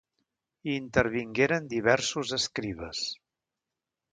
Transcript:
Hi intervingueren diversos escribes.